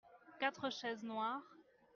quatre chaises noires.